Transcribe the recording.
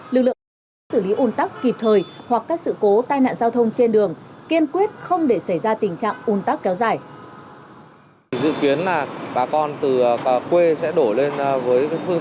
lực lượng sẽ xử lý ồn tắc kịp thời hoặc các sự cố tai nạn giao thông trên đường kiên quyết không để xảy ra tình trạng ồn tắc kéo dài